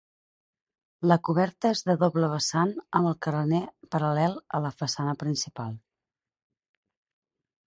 La coberta és de doble vessant amb el carener paral·lel a la façana principal.